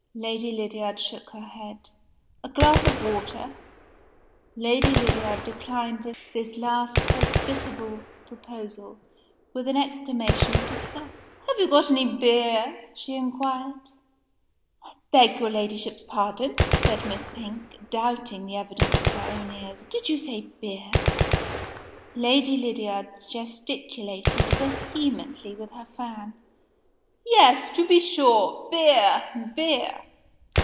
Lady Lydiard shook her head. "A glass of water?" Lady Lydiard declined this last hospitable proposal with an exclamation of disgust. "Have you got any beer?" she inquired. "I beg your Ladyship's pardon," said Miss Pink, doubting the evidence of her own ears. "Did you say beer?" Lady Lydiard gesticulated vehemently with her fan. "Yes, to be sure! Beer! beer!"